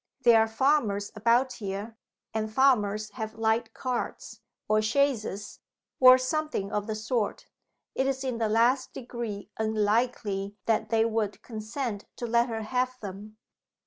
"There are farmers about here and farmers have light carts, or chaises, or something of the sort. It is in the last degree unlikely that they would consent to let her have them.